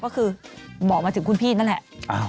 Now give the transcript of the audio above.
ก็คือบอกมาถึงคุณพี่นั่นแหละ